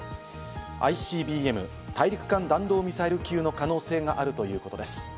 ＩＣＢＭ＝大陸間弾道ミサイル級の可能性があるということです。